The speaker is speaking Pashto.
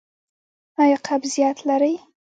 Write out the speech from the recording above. ایا قبضیت لرئ؟